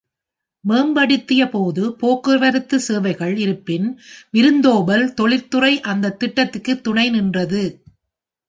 மேம்படுத்திய பொது போக்குவரத்து சேவைகள் இருப்பின், விருந்தோம்பல் தொழில்துறை அந்தத் திட்டத்திற்கு துணை நின்றது.